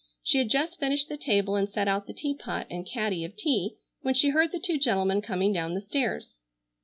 She had just finished the table and set out the tea pot and caddy of tea when she heard the two gentlemen coming down the stairs.